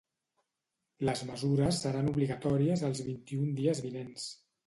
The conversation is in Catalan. Les mesures seran obligatòries els vint-i-un dies vinents.